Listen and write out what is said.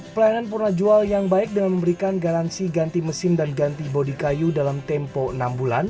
pelayanan purna jual yang baik dengan memberikan garansi ganti mesin dan ganti bodi kayu dalam tempo enam bulan